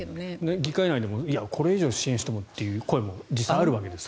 議会内でもこれ以上支援してもという声もあるわけですよね。